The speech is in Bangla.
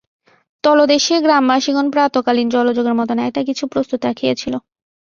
তলদেশে গ্রামবাসিগণ প্রাতঃকালীন জলযোগের মতন একটা কিছু প্রস্তুত রাখিয়াছিল।